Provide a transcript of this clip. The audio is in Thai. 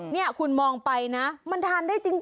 นี่คุณมองไปนะมันทานได้จริง